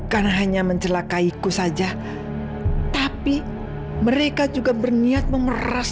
selamat tinggal kejadianodlek ajemos days g sleeves